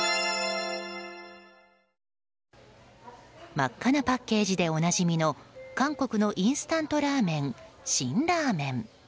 真っ赤なパッケージでおなじみの韓国のインスタントラーメン辛ラーメン。